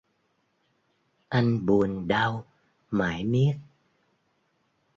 Anh buồn đau mải miết